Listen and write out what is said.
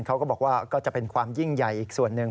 เขาก็บอกว่าก็จะเป็นความยิ่งใหญ่อีกส่วนหนึ่ง